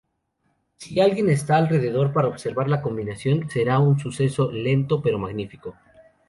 Si alguien está alrededor para observar la combinación, será un suceso lento pero magnífico.